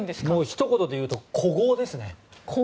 ひと言でいうと古豪ですね。